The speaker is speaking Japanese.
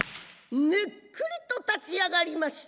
むっくりと立ち上がりました